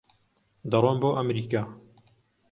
دەڕۆم بۆ ئەمریکا.